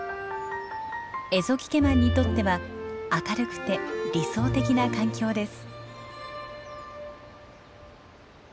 エゾキケマンにとっては明るくて理想的な環境です。